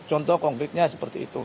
contoh konkretnya seperti itu